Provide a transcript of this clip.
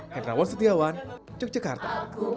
henrawan setiawan yogyakarta